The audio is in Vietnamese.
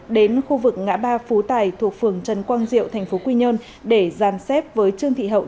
đến khu vực ngã ba phú tài thuộc phường trần quang diệu thành phố quy nhơn để giàn xếp với trương thị hậu